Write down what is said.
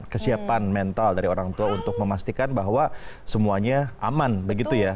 kesiapan mental dari orang tua untuk memastikan bahwa semuanya aman begitu ya